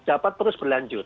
dapat terus berlanjut